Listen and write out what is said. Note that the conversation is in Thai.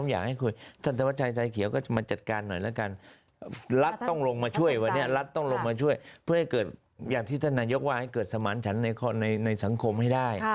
อย่างที่ท่านนายกว่าให้เกิดสมัญชั้นในสังคมให้ได้